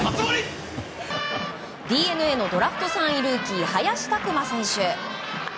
ＤｅＮＡのドラフト３位ルーキー林琢真選手。